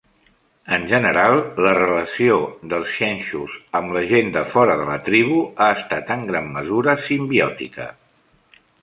En general, la relació dels xenxus amb la gent de fora de la tribu ha estat en gran mesura simbiòtica.